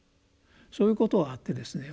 そういうことがあってですね